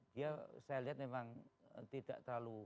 dia saya lihat memang tidak terlalu